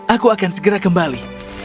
aku akan segera kembali